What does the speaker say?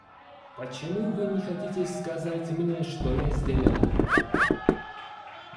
Почему вы не хотите сказать мне, что я сделала?